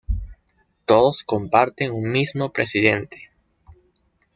Todos comparten un mismo presidente.